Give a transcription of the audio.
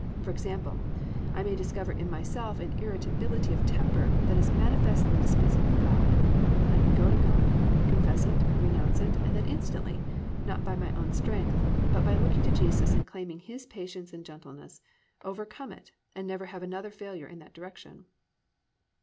For example, I may discover in myself an irritability of temper that is manifestly displeasing to God. I can go to God, confess it, renounce it and then instantly, not by my own strength, but by looking to Jesus and claiming His patience and gentleness, overcome it and never have another failure in that direction.